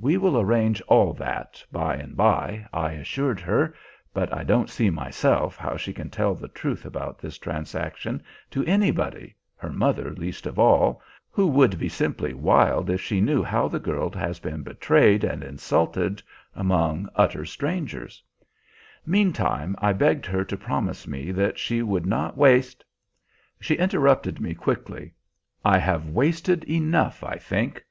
"We will arrange all that by and by," I assured her (but I don't see myself how she can tell the truth about this transaction to anybody, her mother least of all, who would be simply wild if she knew how the girl has been betrayed and insulted, among utter strangers); meantime I begged her to promise me that she would not waste She interrupted me quickly. "I have wasted enough, I think.